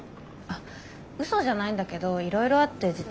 あっ嘘じゃないんだけどいろいろあって実は。